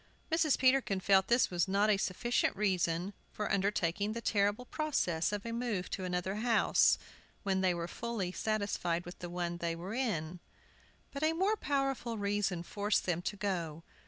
Mrs. Peterkin felt this was not a sufficient reason for undertaking the terrible process of a move to another house, when they were fully satisfied with the one they were in. But a more powerful reason forced them to go.